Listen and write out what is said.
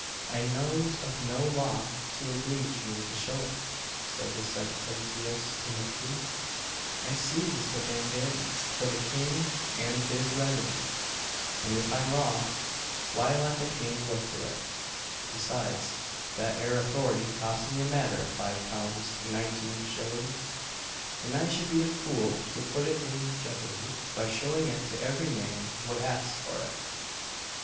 "I knows of no law to obleege me to show it," said the sententious Timothy. "I seizes the bandannies for the king and his revenny, and if I'm wrong, why let the king look to it. Besides, that ere authority cost me a matter of five pounds nineteen shillings; and I should be a fool to put it in jipperdy by showing it to every man what asks for it!"